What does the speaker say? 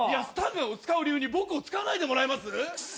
スタンガンを使う理由に僕を使わないでもらえます